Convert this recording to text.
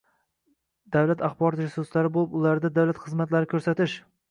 davlat axborot resurslari bo‘lib, ularda davlat xizmatlari ko‘rsatish